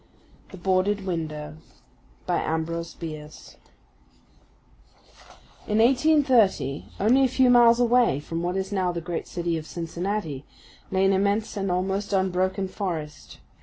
THE BOARDED WINDOW In 1830, only a few miles away from what is now the great city of Cincinnati, lay an immense and almost unbroken forest.